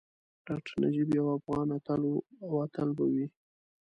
ډاکټر نجیب یو افغان اتل وو او تل به وي